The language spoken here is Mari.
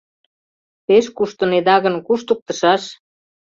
Пеш куштынеда гын, куштыктышаш.